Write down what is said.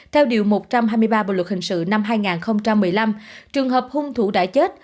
theo điều một trăm hai mươi ba bộ luật hình sự năm hai nghìn một mươi năm trường hợp hung thủ đã chết